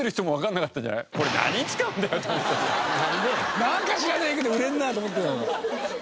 なんか知らないけど売れるなと思って。